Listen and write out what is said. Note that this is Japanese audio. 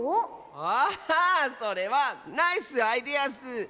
あっそれはナイスアイデアッス。